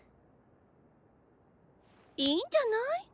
いいんじゃない？